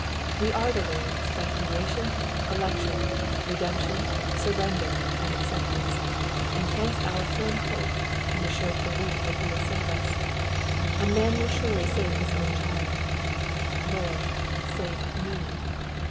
We are the Lord's by creation, election, redemption, surrender, and acceptance ; and hence our firm hope and assured belief that ho will save iis. A man will surely save his own child : Lord, save me.